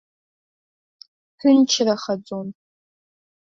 Ҭынчрахаӡон.